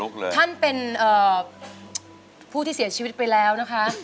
คุณพี่เสียชีวิตไปแล้วนะคะ